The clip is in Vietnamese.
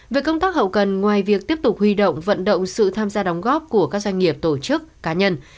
về công tác hậu cần ngoài việc tiếp tục huy động vận động sự tham gia đóng góp của các doanh nghiệp tổ chức cá nhân